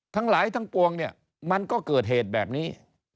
ทั้งหลายทั้งปวงเนี่ยมันก็เกิดเหตุแบบนี้